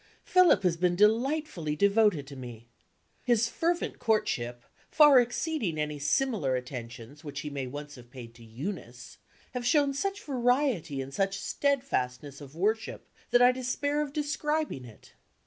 Philip has been delightfully devoted to me. His fervent courtship, far exceeding any similar attentions which he may once have paid to Eunice, has shown such variety and such steadfastness of worship, that I despair of describing it.